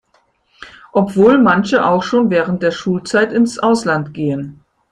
Obwohl manche auch schon während der Schulzeit ins Ausland gehen.